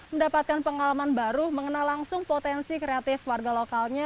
mendapatkan pengalaman baru mengenal langsung potensi kreatif warga lokalnya